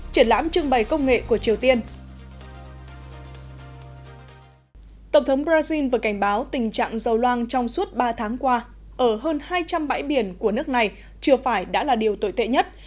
tổng thống brazil vừa cảnh báo tình trạng dầu loang trong suốt ba tháng qua ở hơn hai trăm linh bãi biển của nước này chưa phải đã là điều tồi tệ nhất